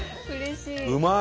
うまい！